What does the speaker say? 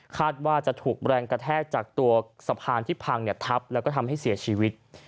ว่าจะถูกแรงกระแทกจากตัวสะพานที่พังทับแล้วก็ทำให้เสียชีวิต